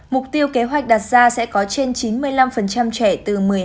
mục tiêu kế hoạch đặt ra sẽ có trên chín mươi năm trẻ từ một mươi hai